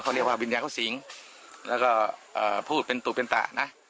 เขาเรียกว่าวิญญาณเขาสิงแล้วก็พูดเป็นตุเป็นตะนะ